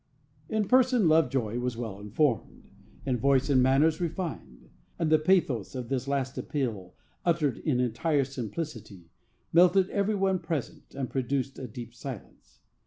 In person Lovejoy was well formed, in voice and manners refined; and the pathos of this last appeal, uttered in entire simplicity, melted every one present, and produced a deep silence.